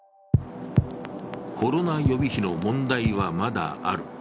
コロナ予備費の問題はまだある。